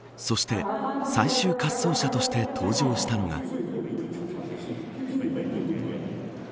そして、最終滑走者として登場したのが。